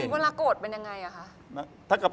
เวลาโกรธเป็นยังไงอะคะ